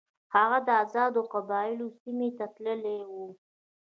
هغه د آزادو قبایلو سیمې ته تللی وو.